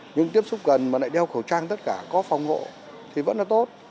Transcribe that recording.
nhưng tiếp xúc gần mà lại đeo khẩu trang tất cả có phòng hộ thì vẫn là tốt